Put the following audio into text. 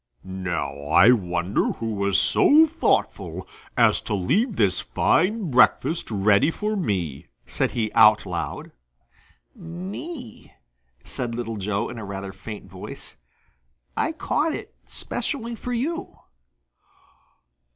"Now I wonder who was so thoughtful as to leave this fine breakfast ready for me," said he out loud. "Me," said Little Joe in a rather faint voice. "I caught it especially for you."